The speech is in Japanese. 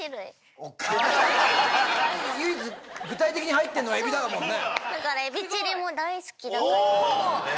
唯一具体的に入ってるのはエビだもんね。